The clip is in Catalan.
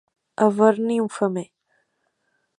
Haver-n'hi un femer.